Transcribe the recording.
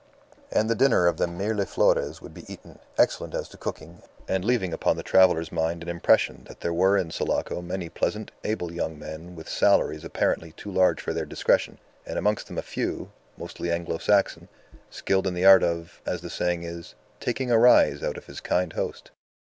And the dinner of the Mirliflores would be eaten, excellent as to cooking, and leaving upon the traveller's mind an impression that there were in Sulaco many pleasant, able young men with salaries apparently too large for their discretion, and amongst them a few, mostly Anglo Saxon, skilled in the art of, as the saying is, "taking a rise" out of his kind host.